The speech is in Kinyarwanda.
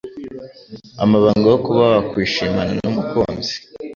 amabanga yokuba wakwishimana n'umukunzi